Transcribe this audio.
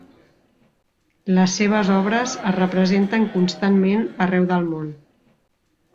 Les seves obres es representen constantment arreu del món.